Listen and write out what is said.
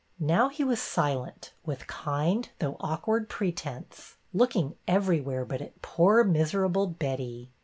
Now he was silent with kind, though awk ward pretence, looking everywhere but at poor miserable Betty.